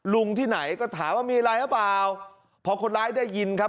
ที่ไหนก็ถามว่ามีอะไรหรือเปล่าพอคนร้ายได้ยินครับ